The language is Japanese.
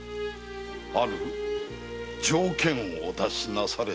ある条件をお出しなされたのじゃ。